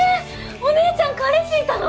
お姉ちゃん彼氏いたの？